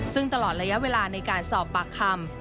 ซึ่งตลอดระยะเวลาในการสอบปากคำ